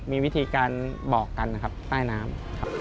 มีวิธีการบอกกันใต้น้ำ